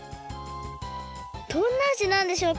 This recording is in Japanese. どんなあじなんでしょうか？